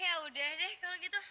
yaudah deh kalau gitu